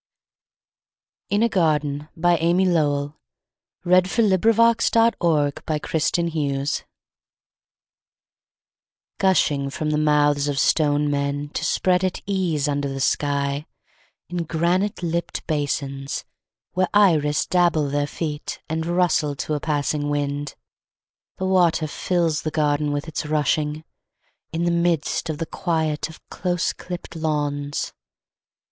r feet. Gather it up from the dust, That its sparkle may amuse you. In a Garden Gushing from the mouths of stone men To spread at ease under the sky In granite lipped basins, Where iris dabble their feet And rustle to a passing wind, The water fills the garden with its rushing, In the midst of the quiet of close clipped lawns.